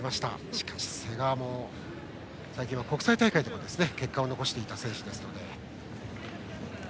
しかし、瀬川も最近は国際大会でも結果を残していた選手ですので。